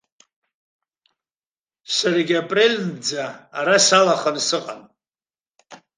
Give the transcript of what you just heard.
Саргьы апрельнӡа ара салаханы сыҟан.